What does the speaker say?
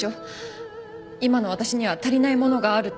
今の私には足りないものがあるって。